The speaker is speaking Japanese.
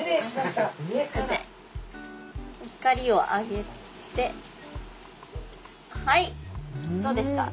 光を上げてはいどうですか？